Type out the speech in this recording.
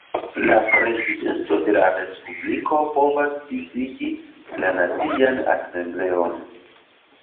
La Prezidento de la Respubliko povas disigi la Nacian Asembleon.